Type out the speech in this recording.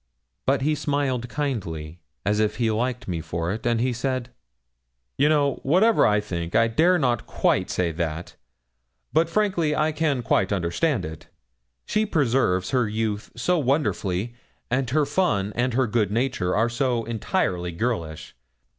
But he smiled kindly, as if he liked me for it; and he said 'You know whatever I think, I dare not quite say that; but frankly I can quite understand it. She preserves her youth so wonderfully, and her fun and her good nature are so entirely girlish.